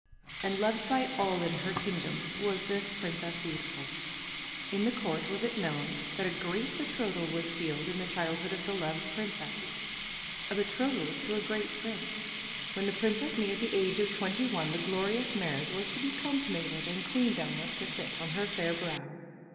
And loved by all in her kingdom was this Princess Beautiful. In the court was it known that a great betrothal was sealed in the childhood of the loved princess — a betrothal to a great prince. When the princess neared the age of twenty one the glorious marriage was to be consummated and queendom was to sit on her fair brow.